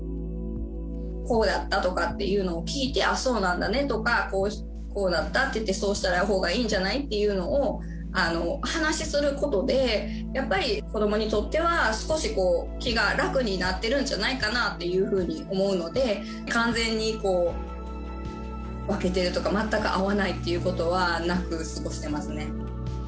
こうだったとかっていうのを聞いて、あっ、そうなんだねとか、こうだったって言って、そうしたほうがいいんじゃない？っていうのを話しすることで、やっぱり子どもにとっては、少し気が楽になってるんじゃないかなっていうふうに思うので、完全に分けてるとか、全く会わないということはなく、過ごしてますね。